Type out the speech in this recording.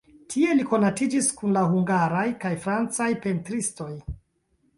Tie li konatiĝis kun la hungaraj kaj francaj pentristoj.